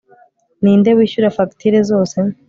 ninjye wishyura fagitire zose